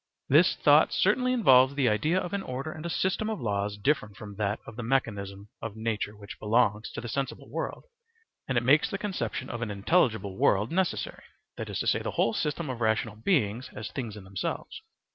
This thought certainly involves the idea of an order and a system of laws different from that of the mechanism of nature which belongs to the sensible world; and it makes the conception of an intelligible world necessary (that is to say, the whole system of rational beings as things in themselves).